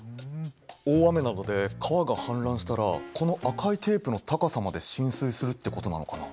大雨などで川が氾濫したらこの赤いテープの高さまで浸水するってことなのかな。